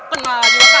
penuh gila kagak